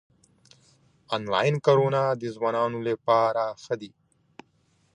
انلاین کارونه د ځوانانو لپاره ښه دي